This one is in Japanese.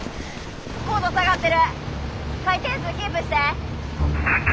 高度下がってる回転数キープして。